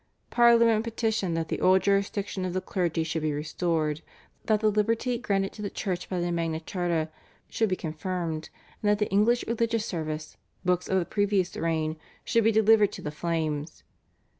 Parliament petitioned that the old jurisdiction of the clergy should be restored, that the liberty granted to the Church by the Magna Charta should be confirmed, and that the English religious service books of the previous reign should be delivered to the flames.